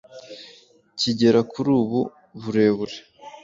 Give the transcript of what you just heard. kigera kuri ubu burebure.